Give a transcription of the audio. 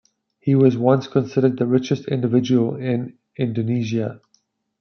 He was once considered the richest individual in Indonesia.